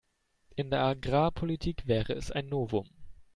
In der Agrarpolitik wäre es ein Novum.